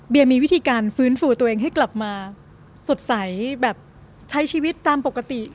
มีวิธีการฟื้นฟูตัวเองให้กลับมาสดใสแบบใช้ชีวิตตามปกติ